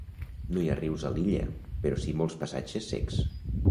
No hi ha rius a l'illa, però sí molts passatges secs.